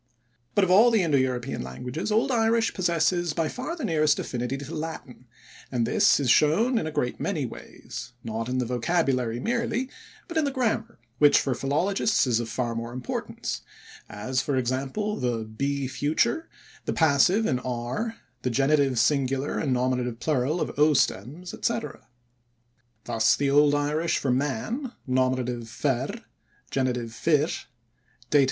But of all the Indo European languages Old Irish possesses by far the nearest affinity to Latin, and this is shown in a great many ways, not in the vocabulary merely, but in the grammar, which for philologists is of far more importance, as, for example, the b future, the passive in r, the genitive singular and nominative plural of "o stems", etc. Thus the Old Irish for "man", nom. fer, gen. fir, dat.